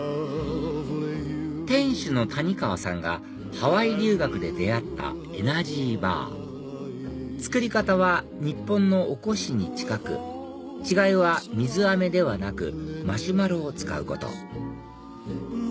⁉店主の谷川さんがハワイ留学で出会ったエナジーバー作り方は日本の「おこし」に近く違いは水あめではなくマシュマロを使うこと